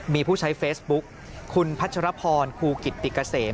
มีผู้ใช้เฟซบุ๊กคุณพัชรพรครูกิตติเกษม